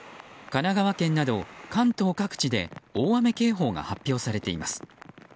神奈川県など関東各地で大雨警報が発表されています。